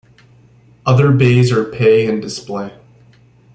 Other bays are pay-and-display.